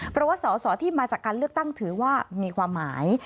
เพราะว่าสอสอที่มาจากการเลือกตั้งถือว่ามีความหมาย